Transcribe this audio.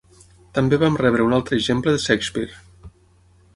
També vam rebre un altre exemple de Shakespeare.